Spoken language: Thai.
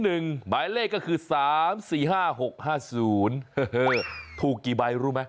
หมายเลขก็คือ๓๔๕๖๕๐ถูกกี่ใบรู้ไหม